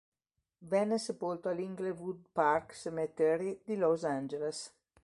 Venne sepolto all'Inglewood Park Cemetery di Los Angeles.